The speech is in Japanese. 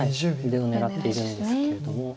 出を狙っているんですけれども。